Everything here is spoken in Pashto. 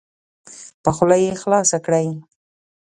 په خوله یې خلاصه کړئ.